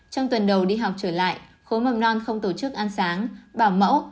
trong tuần đầu đi học trở lại khối mầm non không tổ chức ăn sáng bảo mẫu